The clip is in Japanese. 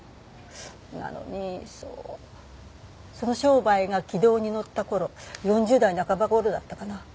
なのにそうその商売が軌道に乗った頃４０代半ば頃だったかな？